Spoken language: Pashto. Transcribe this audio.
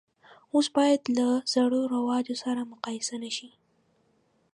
اوس باید له زړو رواجو سره مقایسه نه شي.